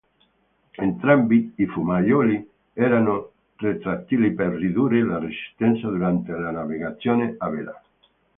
Entrambi i fumaioli erano retrattili per ridurre la resistenza durante la navigazione a vela.